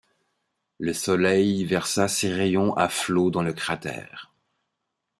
Le soleil versa ses rayons à flots dans le cratère.